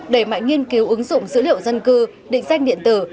đẩy mạnh nghiên cứu ứng dụng dữ liệu dân cư định danh điện tử